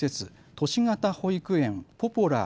都市型保育園ポポラー